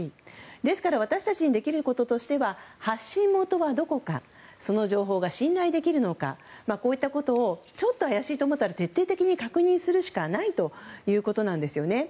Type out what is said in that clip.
ですから私たちにできることとしては発信元はどこかその情報が信頼できるのかこういったことをちょっと怪しいと思ったら徹底的に確認するしかないということなんですよね。